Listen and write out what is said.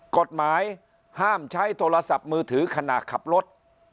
กฎหมายห้ามใช้โทรศัพท์มือถือขณะขับรถ